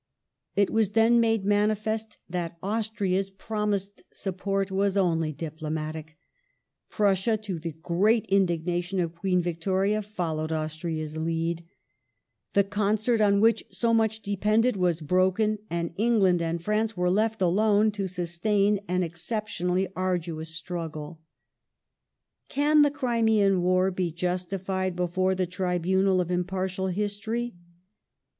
It was then made manifest that' Austria's promised support was only diplomatic ; Prussia — to the great indignation of Queen Victoria — followed Austria's lead ;^ the concert on which so much depended was broken, ' and England and France were left alone to sustain an exceptionally aiduous struggle. Can the Crimean War be 'justified before the tribunal of im was the partial history